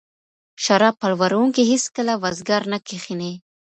شراب پلورونکی هیڅکله وزګار نه کښیني.